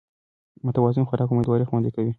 متوازن خوراک امېدواري خوندي کوي